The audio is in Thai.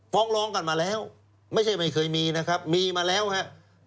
ฟ้องร้องกันมาแล้วไม่ใช่ไม่เคยมีนะครับมีมาแล้วฮะ